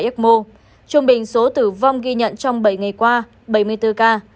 trong bình số tử vong ghi nhận trong bảy ngày qua bảy mươi bốn ca